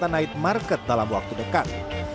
yang terakhir adalah kegiatan naik market dalam waktu dekat